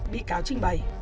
bị cáo trình bày